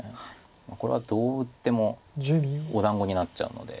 これはどう打ってもお団子になっちゃうので。